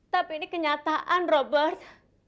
tapi ini kenyataan robert